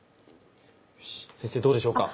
先生どうでしょうか？